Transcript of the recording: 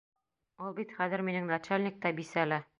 Ул бит хәҙер минең начальник та, бисә лә!